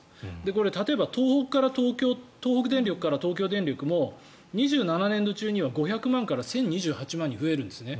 これ、例えば東北電力から東京電力も２７年度中には５００万から１０２８万に増えるんですね。